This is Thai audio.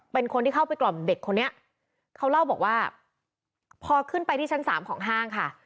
เป็นคนที่เข้าไปกล่อมเด็กคนนี้เขาเล่าบอกว่าพอขึ้นไปที่ชั้นสามของห้างค่ะ